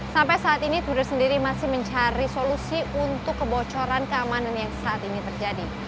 sampai saat ini twitter sendiri masih mencari solusi untuk kebocoran keamanan yang saat ini terjadi